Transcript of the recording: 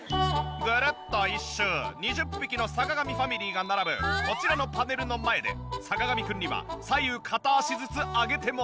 ぐるっと１周２０匹の坂上ファミリーが並ぶこちらのパネルの前で坂上くんには左右片足ずつ上げてもらいます。